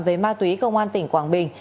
về ma túy công an tỉnh quảng bình